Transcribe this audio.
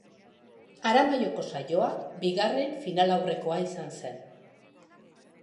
Aramaioko saioa bigarren finalaurrekoa izan zen.